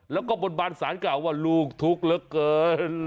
แล้วก็บนบานสารเก่าว่าลูกทุกข์เหลือเกิน